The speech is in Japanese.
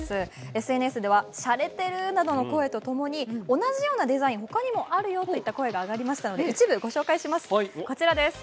ＳＮＳではしゃれてるなどの声とともに、同じようなデザイン、他にもあるよといった声が上がりましたので一部ご紹介します、こちらです。